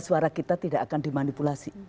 suara kita tidak akan dimanipulasi